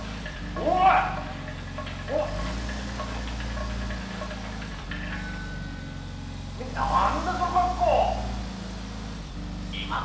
おめえ何だその格好！